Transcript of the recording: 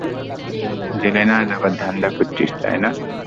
জেলে না যাবার ধান্দা করছিস, তাই না?